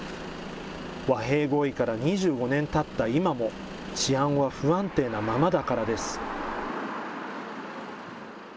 和平合意から２５年たった今も、治安は不安定なままだからです。